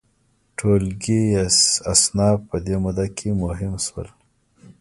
ټولګي یا اصناف په دې موده کې مهم شول.